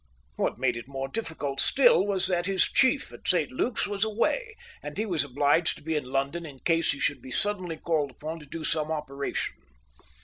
What made it more difficult still, was that his chief at St Luke's was away, and he was obliged to be in London in case he should be suddenly called upon to do some operation.